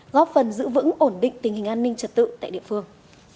góp phần giữ vững ổn định tình hình an ninh trật tự tại địa phương